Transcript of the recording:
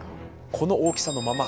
この大きさのまま？